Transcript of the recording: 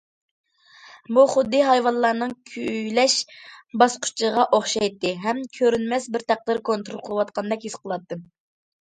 بۇ خۇددى ھايۋانلارنىڭ كۈيلەش باسقۇچىغا ئوخشايتتى ھەم كۆرۈنمەس بىر تەقدىر كونترول قىلىۋاتقاندەك ھېس قىلاتتىم.